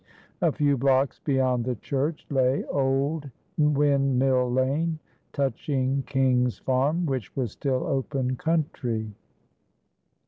A few blocks beyond the church lay Old Wind Mill Lane touching King's Farm, which was still open country.